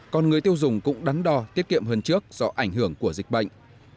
còn người tiêu dùng cũng đắn đo tiết kiệm hơn trước do ảnh hưởng của dịch bệnh